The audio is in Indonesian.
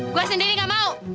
gue sendiri gak mau